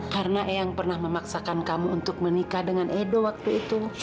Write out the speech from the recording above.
karena ehang pernah memaksakan kamu untuk menikah dengan edo waktu itu